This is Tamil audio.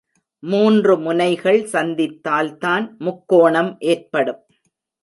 மூன்று முனைகள் சந்தித்தால்தான் முக்கோணம் ஏற்படும்.